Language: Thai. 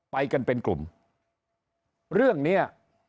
ไปกันเป็นกลุ่มเรื่องเนี้ย